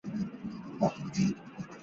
原产极地。